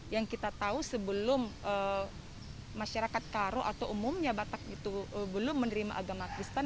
yang kita tahu sebelum masyarakat karo atau umumnya batak itu belum menerima agama kristen